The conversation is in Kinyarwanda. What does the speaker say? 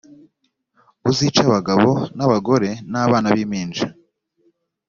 uzice abagabo n abagore n abana b impinja